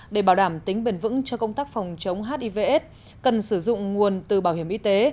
để bảo đảm tính bền vững cho công tác phòng chống hivs cần sử dụng nguồn từ bảo hiểm y tế